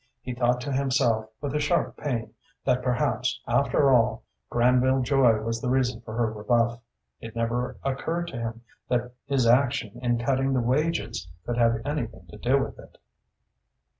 He thought to himself, with a sharp pain, that perhaps, after all, Granville Joy was the reason for her rebuff. It never occurred to him that his action in cutting the wages could have anything to do with it.